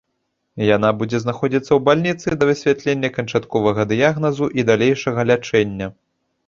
Яна будзе знаходзіцца ў бальніцы да высвятлення канчатковага дыягназу і далейшага лячэння.